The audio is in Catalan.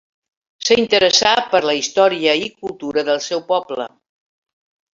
S'interessà per la història i cultura del seu poble.